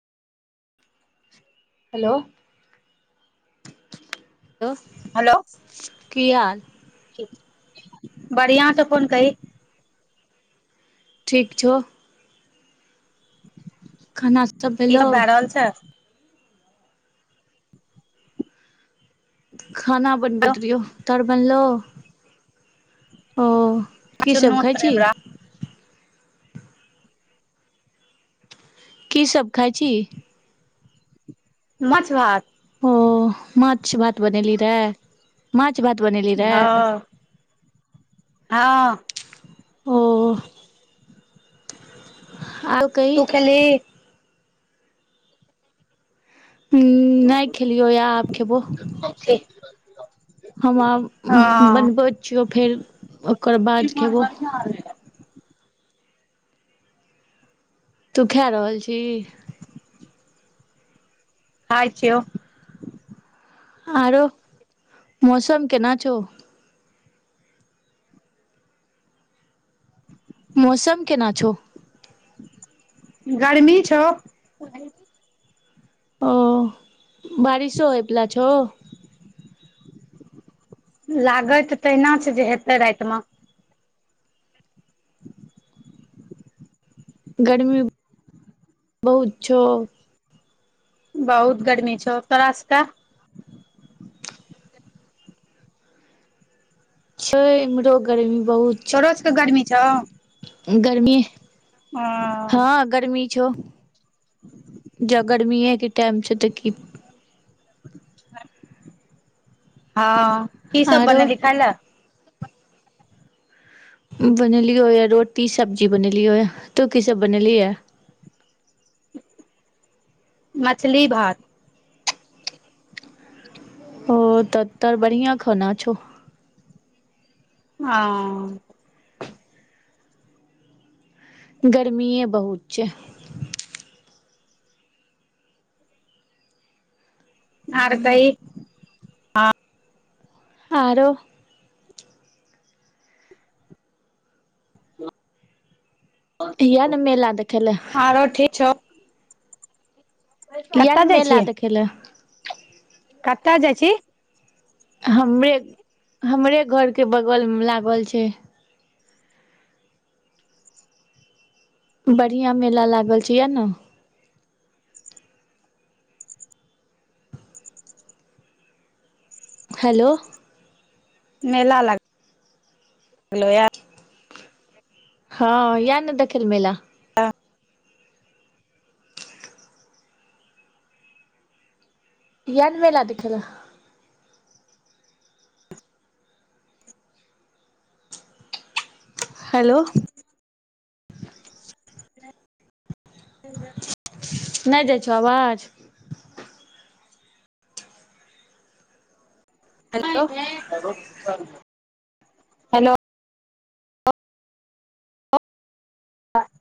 Hello hello hello की हाल बढ़ियासँ फोन करही ठीक छौ खाना सब भेलैह चल [unintelligible] खाना बनबैत रहियौ तोहर बनलो ओ की सब खाइ चुन्नोत रहे छी हमरा की सब खाय छी माछ भात ओ माछ भात बनेली रेहै माछ भात बने हँ हँ ओ आर कहि [unintelligible] हूँ नहि खेलियो यऽ आब खेबो हँ हम आब बनबै छियो फेर ओकर बाद खेबौ तू खा रहल छै। खाइ छियों। आरो मौसम केना छै। [inaudible] मौसम केना छै। गरमि छौ ओ। ओ बारिशो होइ पला छै। लागत तहिना छै जे हेते राति मे [inaudible] गरमी बहुत छै। बहुत गर्मी छै तो रास्ता छै एमहरो गर्मी बहुत छै, तोरो सबके गर्मी छौ गर्मी ओ हँ गरमी छै जे गर्मी ह कि टाम च तऽ हँ क सभ आरो बनेली खइ ल बनली हो यै रोटी सब्जी बनली हो य तू की सभ बनली य मछली भात। ओ तऽ तोर बढ़िया खाना छौ आ। गर्मीए बहुत छै। ओर कही ओरो ये नहि मेला देखले। ओर ठीक छौ किए कतऽ नहि जाइ मेला देखै लए कतआ जाय छी। हमरे हमरे घर के बगल मे लागल छै। बढ़िया मेला लागल छै, आ हेलो। मेला लाग य हँ ये तऽ देखले मेल हँ। एन मेल देख्ले हेलो। [inaudible] ह। नहि जाइ छहो आवाज। हेलो। आरो। हँ।